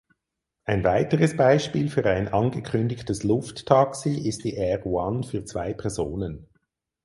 Ein weiteres Beispiel für ein angekündigtes Lufttaxi ist die Air One für zwei Personen.